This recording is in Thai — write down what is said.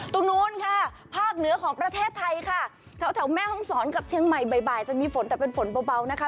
ตรงนู้นค่ะภาคเหนือของประเทศไทยค่ะแถวแม่ห้องศรกับเชียงใหม่บ่ายจะมีฝนแต่เป็นฝนเบานะคะ